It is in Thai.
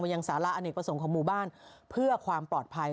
ยังสาระอเนกประสงค์ของหมู่บ้านเพื่อความปลอดภัย